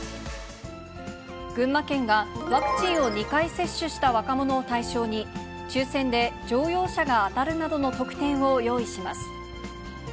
群馬県がワクチンを２回接種した若者を対象に、抽せんで乗用車が当たるなどの特典を用意します。